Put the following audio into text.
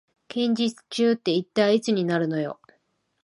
近日中って一体いつになるのよ